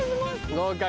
合格。